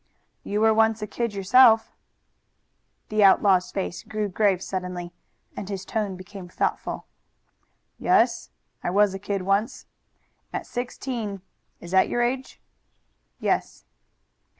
"You were once a kid yourself." The outlaw's face grew grave suddenly and his tone became thoughtful. "Yes, I was a kid once. At sixteen is that your age?" "Yes."